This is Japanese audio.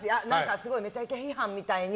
すごい「めちゃイケ」批判みたいに。